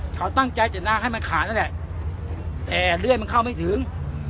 เขาตั้งใจจะล้างให้มันขาดนั่นแหละแต่เลื่อยมันเข้าไม่ถึง